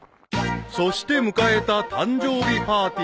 ［そして迎えた誕生日パーティー当日］